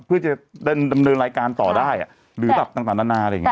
เพื่อจะดำเนินรายการต่อได้หรือแบบต่างนานาอะไรอย่างนี้